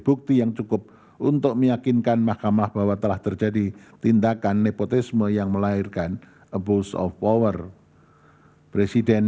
bukti yang cukup untuk meyakinkan mahkamah bahwa telah terjadi tindakan nepotisme yang melahirkan abuse of power presiden